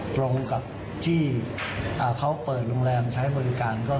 ตรงกับที่เขาเปิดโรงแรมใช้บริการ